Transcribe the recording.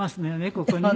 ここにね。